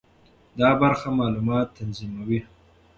دا برخه معلومات تنظیموي.